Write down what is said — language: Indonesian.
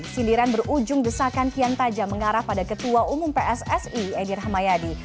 sindiran berujung desakan kian tajam mengarah pada ketua umum pssi edi rahmayadi